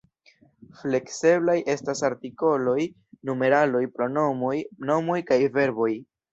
Flekseblaj estas artikoloj, numeraloj, pronomoj, nomoj kaj verboj.